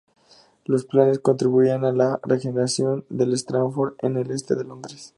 Los planes contribuían a la regeneración de Stratford en el este de Londres.